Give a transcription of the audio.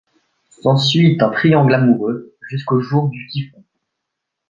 S'ensuit un triangle amoureux jusqu'au jour du typhon...